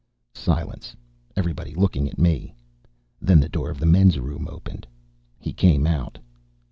Silence, everybody looking at me. Then the door of the men's room opened. He came out.